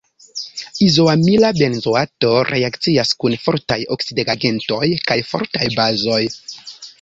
Izoamila benzoato reakcias kun fortaj oksidigagentoj kaj fortaj bazoj.